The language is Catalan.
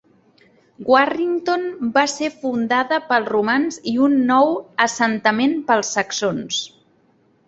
Warrington va ser fundada pels Romans i un nou assentament pels saxons.